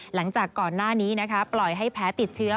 หลังจากก่อนหน้านี้นะคะปล่อยให้แพ้ติดเชื้อ